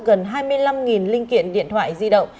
gần hai mươi năm linh kiện điện thoại di động